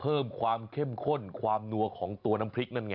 เพิ่มความเข้มข้นความนัวของตัวน้ำพริกนั่นไง